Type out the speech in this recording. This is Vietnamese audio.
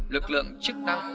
lực lượng chức năng